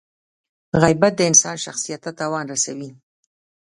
• غیبت د انسان شخصیت ته تاوان رسوي.